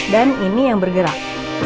dan ini yang bergerak